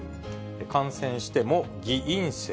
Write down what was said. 感染しても偽陰性。